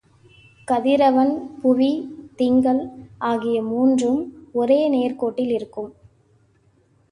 கதிரவன், புவி, திங்கள் ஆகிய மூன்றும் ஒரே நேர்க் கோட்டில் இருக்கும்.